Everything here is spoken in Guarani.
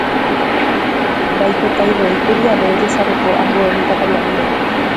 Ndoipotaivoíkuri ave ojesareko ambue mitãkariaʼýre.